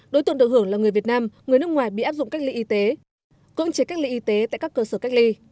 đối tượng được hưởng là người việt nam người nước ngoài bị áp dụng cách ly y tế cưỡng chế cách ly y tế tại các cơ sở cách ly